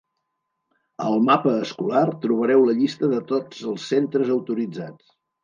Al mapa escolar trobareu la llista de tots els centres autoritzats.